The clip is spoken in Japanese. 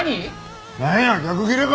なんや逆ギレか！？